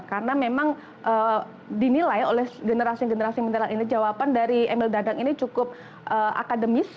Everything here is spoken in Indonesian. karena memang dinilai oleh generasi generasi milenial ini jawaban dari emil dadang ini cukup akademis